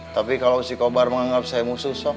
tapi kalau si kobar menganggap saya musuh sok